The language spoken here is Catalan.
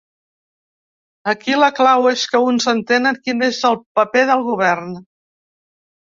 Aquí la clau és que uns entenen quin és el paper del govern.